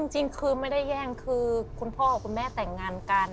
จริงคือไม่ได้แย่งคือคุณพ่อกับคุณแม่แต่งงานกัน